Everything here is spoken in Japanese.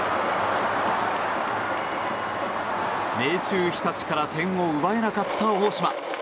明秀日立から点を奪えなかった大島。